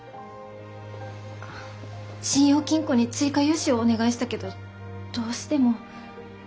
信用金庫に追加融資をお願いしたけどどうしても。